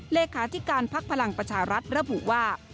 เลขาธิการพักพลังประชารัฐระบุว่า